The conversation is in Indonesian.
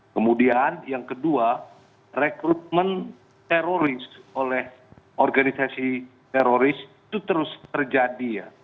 kemudian yang kedua rekrutmen teroris oleh organisasi teroris itu terus terjadi ya